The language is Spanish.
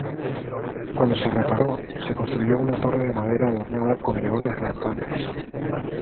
Cuando se reparó, se construyó una torre de madera adornada con leones rampantes.